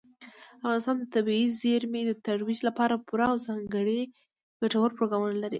افغانستان د طبیعي زیرمې د ترویج لپاره پوره او ځانګړي ګټور پروګرامونه لري.